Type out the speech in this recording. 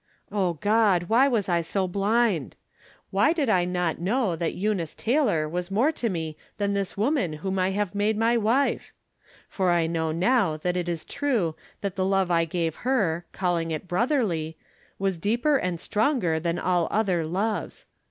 Oh, God, why was I so blind ! Why did I not know that Eunice Taylor was more to me than this woman whom I have made my wife ? For I know now that it is true that the love I gave her, calling it " brotherly," was deeper and stronger than all other loves.